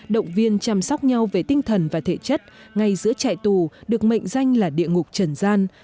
động viên chăm sóc nhau về tinh thần và thể chất ngay giữa trại tù được mệnh danh là địa ngục trần gian